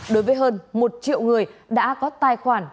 đối với hơn một triệu người đã có tài khoản